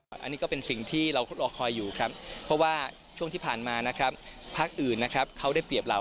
อันนี้ก็เป็นสิ่งที่เรารอคอยอยู่ครับเพราะว่าช่วงที่ผ่านมานะครับภาคอื่นนะครับเขาได้เปรียบเรา